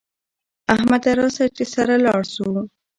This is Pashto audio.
احمده راسه چې سره لاړ سو